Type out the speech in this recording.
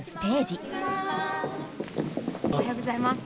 おはようございます。